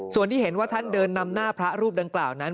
ส่วนที่เห็นว่าท่านเดินนำหน้าพระรูปดังกล่าวนั้น